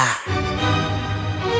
kau tak bisa melihat